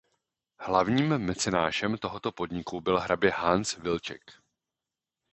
Hlavním mecenášem tohoto podniku byl hrabě Hans Wilczek.